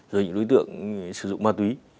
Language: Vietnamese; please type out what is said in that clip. rồi những đối tượng sử dụng ma túy